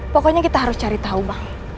pokoknya kita harus cari tahu bang